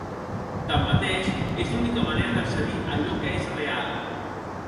Tanmateix, és l'única manera d'accedir a allò que és real.